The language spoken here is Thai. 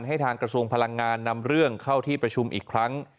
ทางกระทรวงพลังงานนำเรื่องเข้าที่ประชุมอีกครั้ง